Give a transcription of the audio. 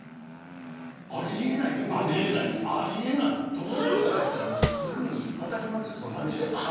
友達とかがやってたらひっぱたきますよ。